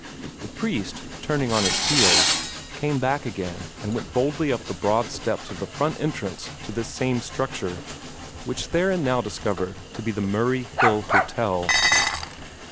The priest, turning on his heel, came back again and went boldly up the broad steps of the front entrance to this same structure, which Theron now discovered to be the Murray Hill Hotel.